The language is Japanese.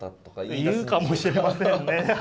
言うかもしれませんね。